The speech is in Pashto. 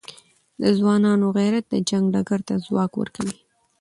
د ځوانانو غیرت د جنګ ډګر ته ځواک ورکوي.